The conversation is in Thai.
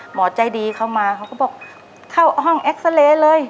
หมอใจดีเข้ามาเขาก็บอกเข้าห้องเลย